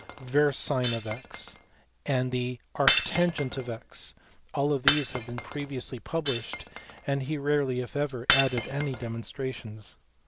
verso;, and tan" 1 ^; all of these had been previously published, and he rarely, if ever, added any demonstrations.